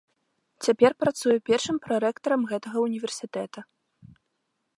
Цяпер працуе першым прарэктарам гэтага ўніверсітэта.